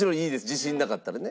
自信なかったらね。